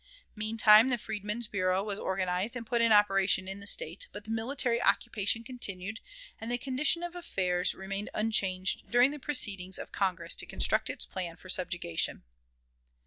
Meantime the Freedmen's Bureau was organized and put in operation in the State, but the military occupation continued, and the condition of affairs remained unchanged during the proceedings of Congress to construct its plan for subjugation.